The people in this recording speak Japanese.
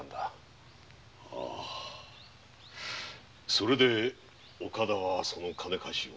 それで岡田はその金貸しを。